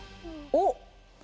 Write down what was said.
おっ！